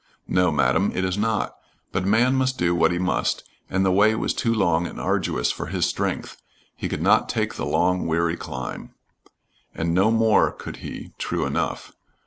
'No, Madam, it is not. But man must do what he must, and the way was too long and arduous for his strength; he could not take the long, weary climb.' And no more could he, true enough.